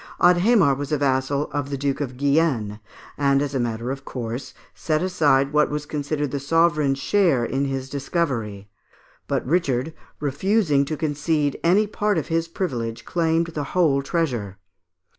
Adhémar was a vassal of the Duke of Guienne, and, as a matter of course, set aside what was considered the sovereign's share in his discovery; but Richard, refusing to concede any part of his privilege, claimed the whole treasure.